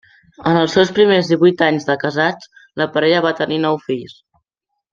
En els seus primers divuit anys de casats, la parella va tenir nou fills.